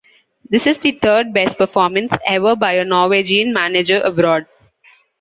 This is the third best performance ever by a Norwegian manager abroad.